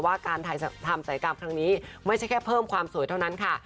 ว่าการทำศัยกรรมครั้งนี้ไม่ใช่แค่เพิ่มความสวยเท่านั้นค่ะ